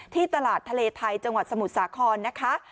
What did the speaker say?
ตลาดทะเลไทยจังหวัดสมุทรสาครนะคะ